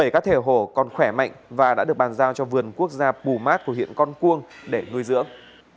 bảy cá thể hổ còn khỏe mạnh và đã được bàn giao cho vườn quốc gia pù mát của huyện con cuông để nuôi dưỡng